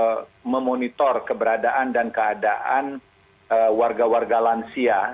kami juga memonitor keberadaan dan keadaan warga warga lansia